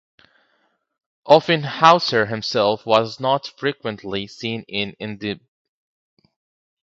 Offenhauser himself was not frequently seen in Indianapolis.